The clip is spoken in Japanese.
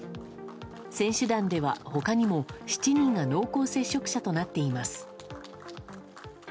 選手団では、他にも７人が濃厚接触者となっています。